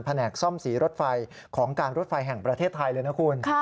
แหนกซ่อมสีรถไฟของการรถไฟแห่งประเทศไทยเลยนะคุณ